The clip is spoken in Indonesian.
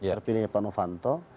terpilihnya pak novanto